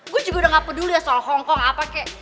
gue juga udah gak peduli soal hongkong apa kek